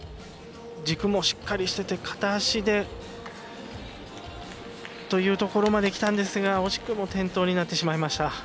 軸もしっかりしてて片足でというところまできたんですが、惜しくも転倒になってしまいました。